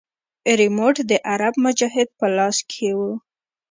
ريموټ د عرب مجاهد په لاس کښې و.